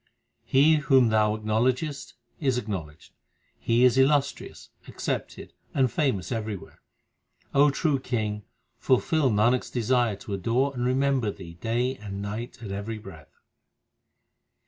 He whom Thou acknowledgest is acknowledged. He is illustrious, accepted, and famous everywhere. O true King, fulfil Nanak s desire To adore and remember Thee day and night at every breath.